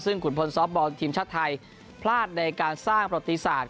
ซึ่งขุนพลซอฟต์บอลทีมชาติไทยพลาดในการสร้างประติศาสตร์